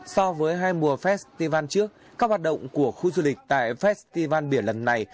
so với hai mùa festival trước các hoạt động của khu du lịch tại festival biển lần này